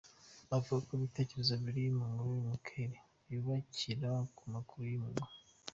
Avuga ko ibitekerezo biri mu nkuru ya Michela byubakira ku makuru y’impuha.